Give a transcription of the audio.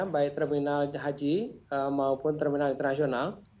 baik terminal haji maupun terminal internasional